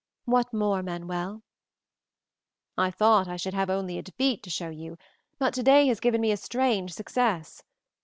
What more, Manuel?" "I thought I should have only a defeat to show you, but today has given me a strange success.